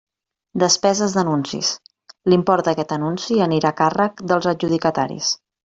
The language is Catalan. Despeses d'anuncis: l'import d'aquest anunci anirà a càrrec dels adjudicataris.